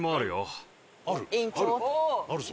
あるぞ！